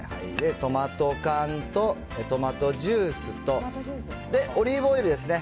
トマト缶とトマトジュースと、オリーブオイルですね。